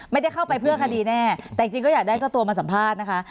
ไม่ได้เข้าไปเพื่อคดีแน่แต่จริงก็อยากได้เจ้าตัวมาสัมภาษณ์นะคะ